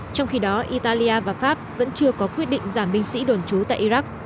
trong khi đó italia và pháp vẫn chưa có quyết định giảm binh sĩ đồn trú tại iraq